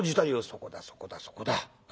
「そこだそこだそこだ。